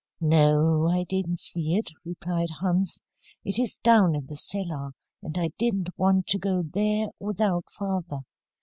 "No, I didn't see it," replied Hans. "It is down in the cellar, and I didn't want to go there without father.